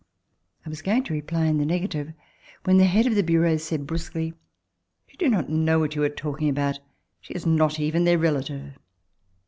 I was ^oing to rc'|)lv in the negative, when the head of tlic Bureau said brus(juely, "You do not know what you are talking about. She is not even their relative."